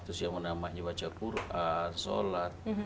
terus yang namanya baca quran sholat